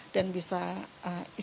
dan bisa menerima